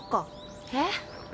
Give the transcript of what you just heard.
えっ？